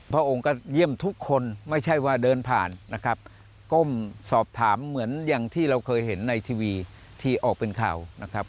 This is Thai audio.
พระองค์ก็เยี่ยมทุกคนไม่ใช่ว่าเดินผ่านนะครับก้มสอบถามเหมือนอย่างที่เราเคยเห็นในทีวีที่ออกเป็นข่าวนะครับ